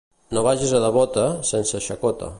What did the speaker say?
No vagis a devota, sense xacota.